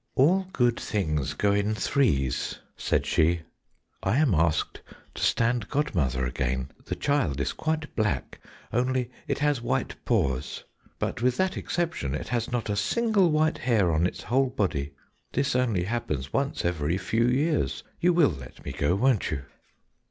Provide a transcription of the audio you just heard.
"All good things go in threes," said she, "I am asked to stand godmother again. The child is quite black, only it has white paws, but with that exception, it has not a single white hair on its whole body; this only happens once every few years, you will let me go, won't you?"